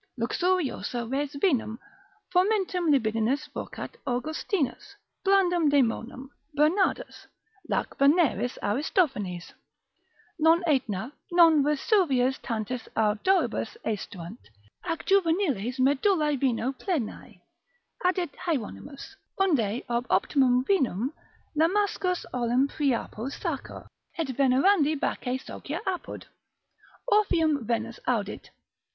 Luxuriosa res vinum, fomentum libidinis vocat Augustinus, blandum daemonem, Bernardus; lac veneris, Aristophanes. Non Aetna, non Vesuvius tantis ardoribus aestuant, ac juveniles medullae vino plenae, addit Hieronymus: unde ob optimum vinum Lamsacus olim Priapo sacer: et venerandi Bacchi socia apud Orpheum Venus audit.